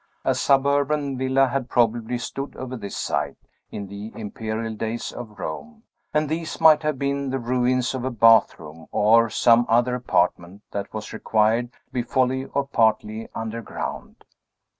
A suburban villa had probably stood over this site, in the imperial days of Rome, and these might have been the ruins of a bathroom, or some other apartment that was required to be wholly or partly under ground.